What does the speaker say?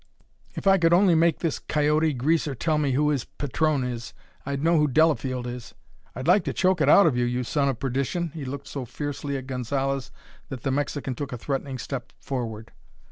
If I could only make this coyote greaser tell me who his patron is, I'd know who Delafield is. I'd like to choke it out of you, you son of perdition!" He looked so fiercely at Gonzalez that the Mexican took a threatening step forward.